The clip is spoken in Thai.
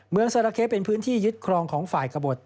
ซาราเค้เป็นพื้นที่ยึดครองของฝ่ายกระบด